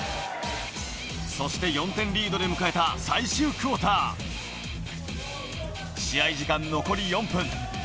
そして４点リードで迎えた最終クオーター。試合時間残り４分。